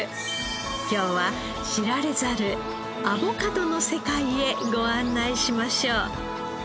今日は知られざるアボカドの世界へご案内しましょう。